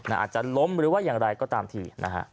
อาจจะล้มหรือว่าอย่างไรก็ตามทีนะฮะ